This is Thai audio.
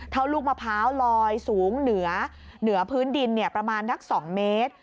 ลูกมะพร้าวลอยสูงเหนือพื้นดินประมาณนัก๒เมตร